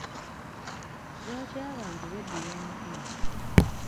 Lwaki abantu b'eddira omutima.